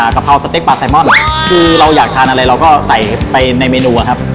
กะเพราสเต็กปลาไซมอนคือเราอยากทานอะไรเราก็ใส่ไปในเมนูอะครับ